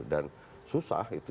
dan susah itu